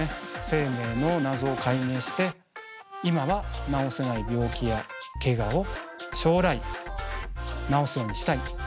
生命の謎を解明して今は治せない病気やけがを将来治すようにしたい。